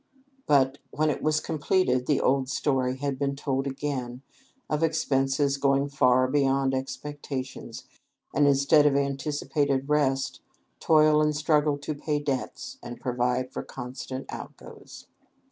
But, when it was completed, the old story had been told again, of expenses going far beyond expectations, and, instead of anticipated rest, toil and struggle to pay debts, and provide for constant outgoes.